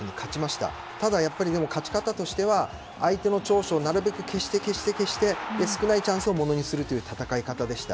ただ、やっぱり勝ち方としては相手の長所をなるべく消して少ないチャンスをものにするという戦い方でした。